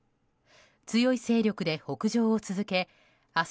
強い勢力で北上を続け明日